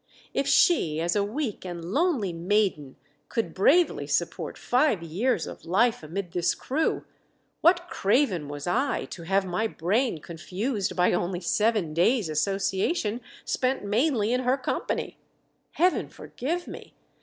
If she, as a weak and lonely maiden, could bravely support five years of life amid this crew, what craven was I to have my brain confused by only seven days' association, spent mainly in her company ? Heaven forgive me.